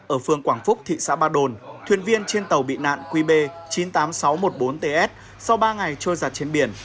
ở phương quảng phúc thị xã ba đồn thuyền viên trên tàu bị nạn qb chín mươi tám nghìn sáu trăm một mươi bốn ts sau ba ngày trôi giặt trên biển